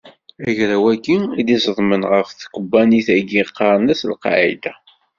Agraw-agi i d-izedmen ɣer tkebbanit-agi qqaren-asen Al qqaɛida.